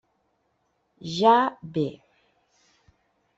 Ja ve!